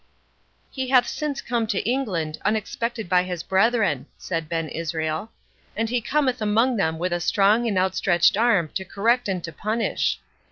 "He hath since come to England, unexpected by his brethren," said Ben Israel; "and he cometh among them with a strong and outstretched arm to correct and to punish.